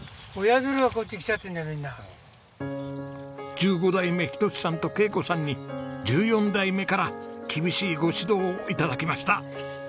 １５代目仁さんと恵子さんに１４代目から厳しいご指導を頂きました。